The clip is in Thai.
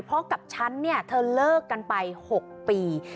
เพราะกับฉันเนี่ยเธอเลิกกันไป๖ปี